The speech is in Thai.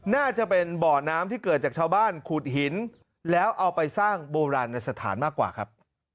น่าจะเป็นบ่อน้ำที่เกิดจากชาวบ้านขุดหินแล้วเอาไปสร้างโบราณสถานมากกว่าครับ